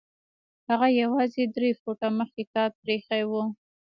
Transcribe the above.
هغه يوازې درې فوټه مخکې کار پرېښی و.